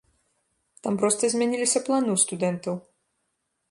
Там проста змяніліся планы ў студэнтаў.